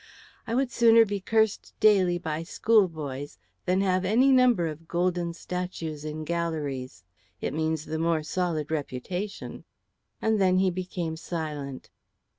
I would sooner be cursed daily by schoolboys than have any number of golden statues in galleries. It means the more solid reputation;" and then he became silent.